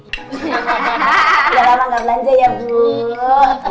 gak lama gak belanja ya bu